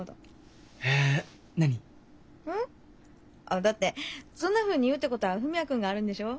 あだってそんなふうに言うってことは文也君があるんでしょ。